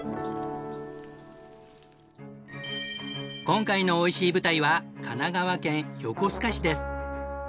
今回のおいしい舞台は神奈川県横須賀市です。